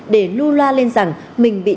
để lua loa lên rằng mình bị